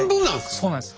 そうなんです。